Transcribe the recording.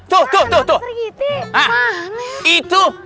tuh tuh tuh tuh